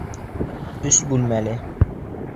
Өс бүлмәле!